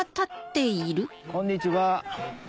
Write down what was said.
こんにちは。